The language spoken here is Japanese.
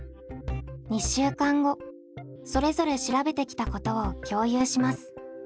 それぞれ調べてきたことを共有します。